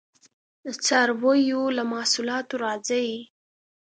د څارویو له محصولاتو راځي